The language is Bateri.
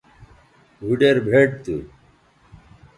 بھوڈیر بھئٹ تھو